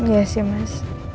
iya sih mas